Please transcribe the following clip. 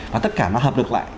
và tất cả nó hợp lực lại